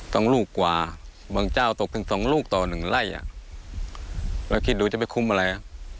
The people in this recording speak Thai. ต้องลูกกว่าบางเจ้าตกถึง๒ลูกต่อ๑ไล่แล้วคิดดูจะคุ้มอะไร